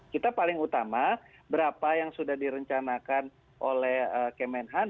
kita paling utama berapa yang sudah direncanakan oleh kemenhan